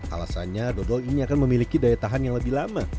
alasannya dodol ini akan memiliki daya tahan yang lebih lama